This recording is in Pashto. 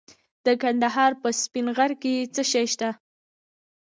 د ننګرهار په سپین غر کې څه شی شته؟